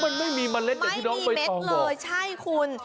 แล้วก็มีเม็ดจากที่น้องต้องบอกไม่มีเม็ดเลยใช่คุณ